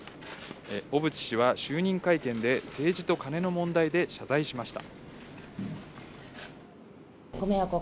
小渕氏は就任会見で政治とカネの問題で謝罪しました。